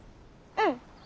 うん。